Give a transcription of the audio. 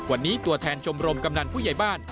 วันนี้ตัวแทนชมรมกำนันผู้ใหญ่บ้าน